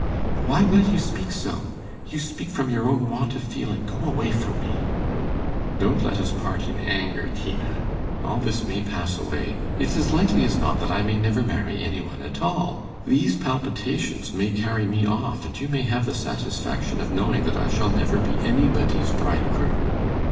'Why will you speak so? You speak from your own want of feeling. Go away from me.' 'Don't let us part in anger, Tina. All this may pass away. It's as likely as not that I may never marry any one at all. These palpitations may carry me off, and you may have the satisfaction of knowing that I shall never be anybody's bridegroom.